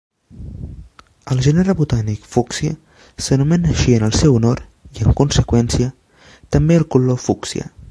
El gènere botànic "Fuchsia" s'anomena així en el seu honor, i en conseqüència, també el color fúcsia.